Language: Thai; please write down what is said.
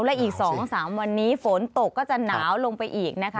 และอีก๒๓วันนี้ฝนตกก็จะหนาวลงไปอีกนะคะ